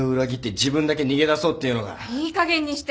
いいかげんにして。